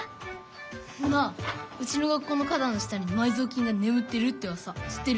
なあうちの学校の花だんの下に埋蔵金がねむってるってうわさ知ってる？